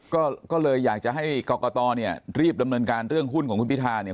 ก็เลยอยากจะให้กรกตเนี่ยรีบดำเนินการเรื่องหุ้นของคุณพิธาเนี่ย